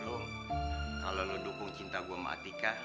lo kalau lo dukung cinta gue sama atika